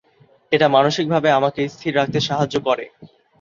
এটা মানসিকভাবে আমাকে স্থির রাখতে সাহায্য করে।